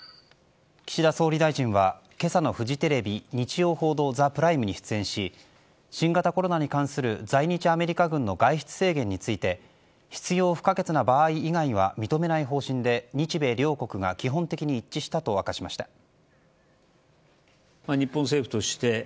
岸田総理大臣は今朝のフジテレビ「日曜報道ＴＨＥＰＲＩＭＥ」に出演し新型コロナに関する在日アメリカ軍の外出制限について必要不可欠な場合以外は認めない方針で日米両国が基本的に一致したと明かしました。